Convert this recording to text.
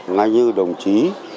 ngay như đồng chí